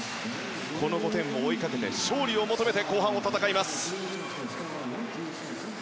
この５点を追いかけて勝利を追い求めて後半を戦います。